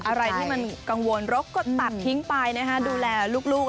อะไรที่มันกังวลรกก็ตัดทิ้งไปนะคะดูแลลูก